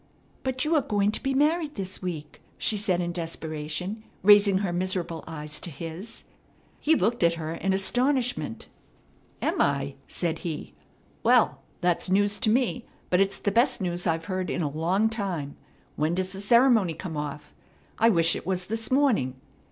"But you are going to be married this week," she said in desperation, raising her miserable eyes to his. He looked at her in astonishment. "Am I?" said he. "Well, that's news to me; but it's the best news I've heard in a long time. When does the ceremony come off? I wish it was this morning.